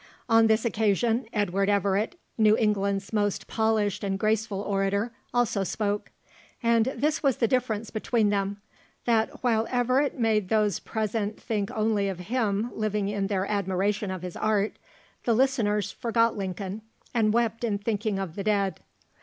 On this occasion, Edward Everett, "New England's most polished and graceful orator," also spoke. And this was the difference between them that while Everett made those present think only of him living in their admiration of his art, the listeners forgot Lincoln, and wept in thinking of the dead.